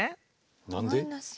何で？